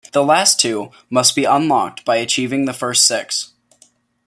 The last two must be unlocked by achieving the first six.